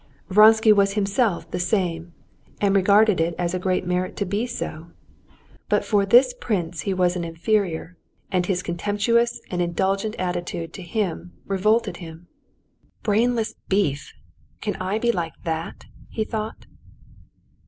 Vronsky was himself the same, and regarded it as a great merit to be so. But for this prince he was an inferior, and his contemptuous and indulgent attitude to him revolted him. "Brainless beef! can I be like that?" he thought.